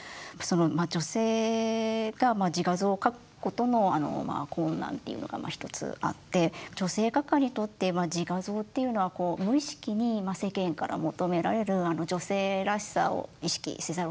女性が自画像を描くことの困難っていうのが一つあって女性画家にとって自画像っていうのは無意識に世間から求められる女性らしさを意識せざるをえない。